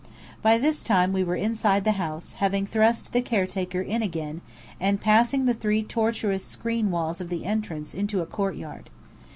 By this time we were inside the house, having thrust the caretaker in again, and passing the three tortuous screen walls of the entrance, into a courtyard.